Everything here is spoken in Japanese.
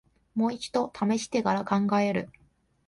もう一度ためしてから考える